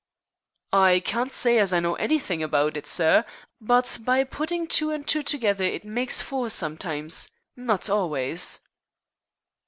"I can't s'y as I know anythink about it, sir, but by puttin' two and two together it makes four sometimes not always."